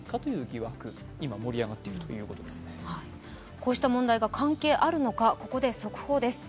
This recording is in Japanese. こうした問題が関係あるのか、ここで速報です。